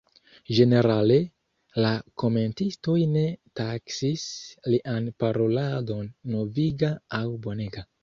Ĝenerale, la komentistoj ne taksis lian paroladon noviga aŭ bonega.